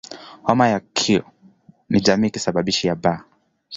Homa ya Q ni jamii ya kisababishi "B".